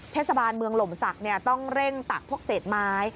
เทศบาลเมืองหล่มศักดิ์ต้องเร่งตักพวกเศษไม้